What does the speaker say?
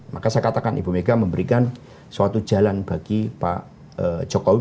maka saya katakan ibu mega memberikan suatu jalan bagi pak jokowi